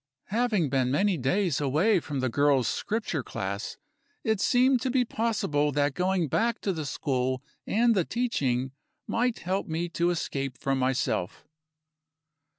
Having been many days away from the Girls' Scripture Class, it seemed to be possible that going back to the school and the teaching might help me to escape from myself.